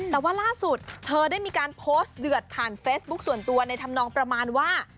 แต่ว่าล่าสุดเธอได้มีการโพสต์เดือดผ่านเฟซบุ๊คส่วนตัวในธรรมนองประมาณว่า